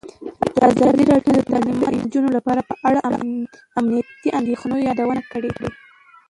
ازادي راډیو د تعلیمات د نجونو لپاره په اړه د امنیتي اندېښنو یادونه کړې.